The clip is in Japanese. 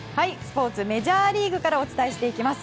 メジャーリーグからお伝えします。